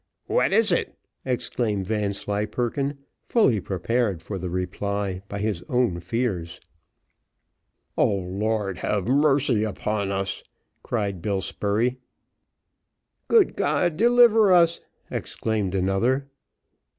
what is it?" exclaimed Vanslyperken, fully prepared for the reply by his own fears. "O Lord! have mercy upon us," cried Bill Spurey. "Good God, deliver us!" exclaimed another.